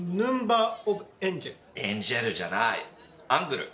「エンジェル」じゃない「アングル」。